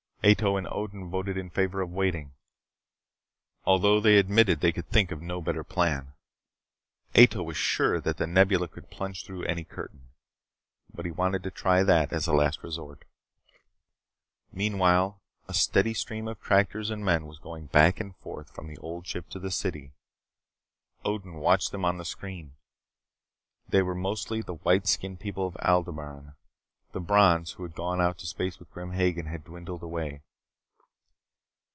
Ato and Odin voted in favor of waiting, although they admitted that they could think of no better plan. Ato was sure that The Nebula could plunge through any curtain, but he wanted to try that as a last resort. Meanwhile, a steady stream of tractors and men was going back and forth from the Old Ship to the city. Odin watched them on the screen. They were mostly the white skinned people of Aldebaran. The Brons who had gone out into space with Grim Hagen had dwindled away.